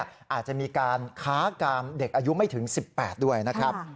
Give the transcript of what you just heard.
อาจจะมีการค้ากามเด็กอายุไม่ถึง๑๘ด้วยนะครับ